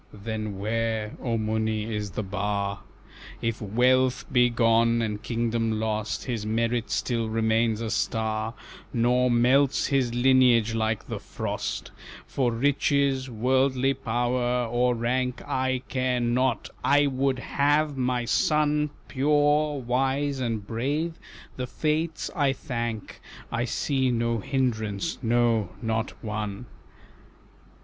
"Then where, O Muni, is the bar? If wealth be gone, and kingdom lost, His merit still remains a star, Nor melts his lineage like the frost. For riches, worldly power, or rank I care not, I would have my son Pure, wise, and brave, the Fates I thank I see no hindrance, no, not one."